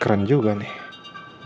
keren juga nih